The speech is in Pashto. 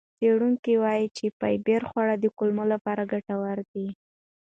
څېړونکي وایي چې فایبر خواړه د کولمو لپاره ګټور دي.